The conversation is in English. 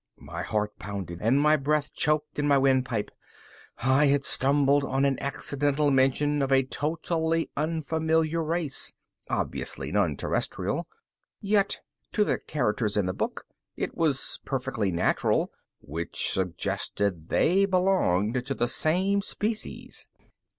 My heart pounded and my breath choked in my windpipe. I had stumbled on an accidental mention of a totally unfamiliar race. Obviously non Terrestrial. Yet, to the characters in the book, it was perfectly natural which suggested they belonged to the same species.